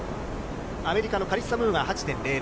アメリカのカリッサ・ムーア、８．００。